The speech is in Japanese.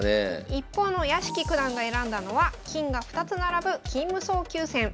一方の屋敷九段が選んだのは金が２つ並ぶ金無双急戦。